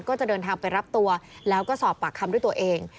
ก็จะเดินทางไปรับตัวแล้วก็สอบปากคำด้วยตัวเอง